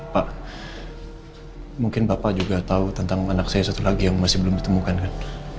pak mungkin bapak juga tahu tentang anak saya satu lagi yang masih belum ditemukan kan